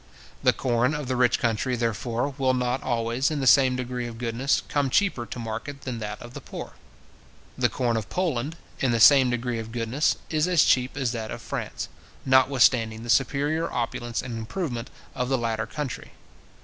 The corn of the rich country, therefore, will not always, in the same degree of goodness, come cheaper to market than that of the poor. The corn of Poland, in the same degree of goodness, is as cheap as that of France, notwithstanding the superior opulence and improvement of the latter country.